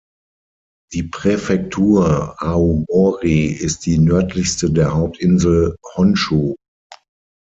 Die Präfektur Aomori ist die nördlichste der Hauptinsel Honshū.